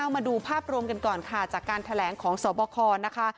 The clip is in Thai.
มาดูภาพรวมกันก่อนค่ะจากการแถลงของสบคนะคะ